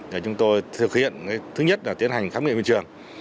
để chúng tôi thực hiện thứ nhất là tiến hành khám nghiệm hiện trường